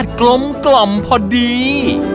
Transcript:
ตัวช่วย